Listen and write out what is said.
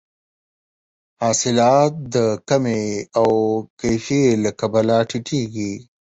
حاصلات د کمې او کیفي له کبله ټیټیږي.